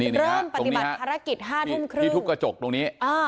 นี่นี่ค่ะตรงนี้ค่ะเริ่มปฏิบัติภารกิจห้าทุ่มครึ่งที่ทุบกระจกตรงนี้อ่า